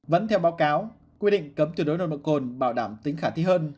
vẫn theo báo cáo quy định cấm từ đối nồng đội cồn bảo đảm tính khả thi hơn